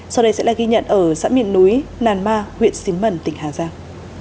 sau đây sẽ là ghi nhận ở xã miền núi nàn ma huyện xín mần tỉnh hà giang